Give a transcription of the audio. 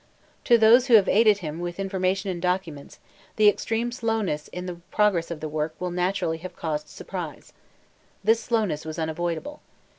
To those who have aided him with information and documents, the extreme slowness in the progress of the work will naturally have caused surprise. This slowness was unavoidable.